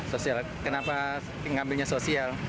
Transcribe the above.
sosial kenapa ngambilnya sosial